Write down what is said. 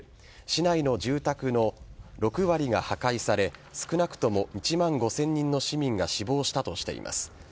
市内の住宅の６割が破壊され少なくとも１万５０００人の市民が死亡したとしています。